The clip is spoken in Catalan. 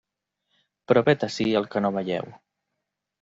Però vet ací el que no veieu.